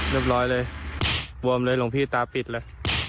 เรียบร้อยเลยลงพี่ตาปิดเลย